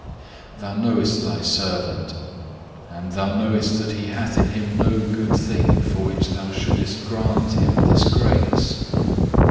Thou knowest Thy servant, and Thou knowest that he hath in him no good thing for which Thou shouldest grant him this grace.